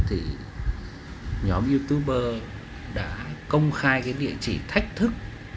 thì nhóm youtube đã công khai địa chỉ thách thức